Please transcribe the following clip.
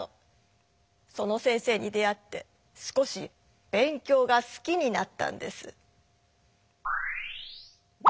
その先生に出会って少し勉強がすきになったんです。